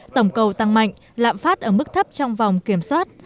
tổng cầu tăng mạnh lạm phát ở mức thấp trong vòng kiểm soát